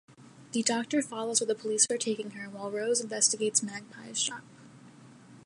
The Doctor follows where the police are taking her while Rose investigates Magpie's shop.